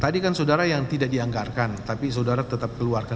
tadi kan saudara yang tidak dianggarkan tapi saudara tetap keluarkan